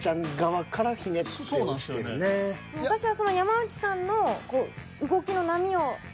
私は。